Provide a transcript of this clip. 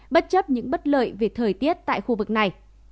bất chấp những bất lợi về thời tiết tại khu vực này